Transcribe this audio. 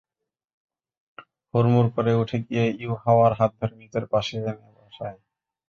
হুড়মুড় করে উঠে গিয়ে ইউহাওয়ার হাত ধরে নিজের পাশে এনে বসায়।